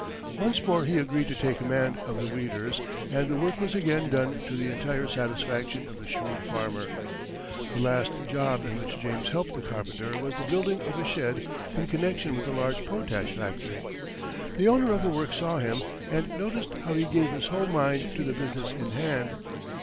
Once more he agreed to take command of the weeders, and the work was again done to the entire satisfaction of the shrewd farmer. The last job in which James helped the carpenter was the building of a shed in connection with a large potash factory. The owner of the works saw him, and noticed how he gave his whole mind to the business in hand.